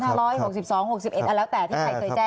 ทับปีของมะ๕๖๐๖๖๑ส่วนเท่าไหร่ที่ใครเจ้าแจ้ง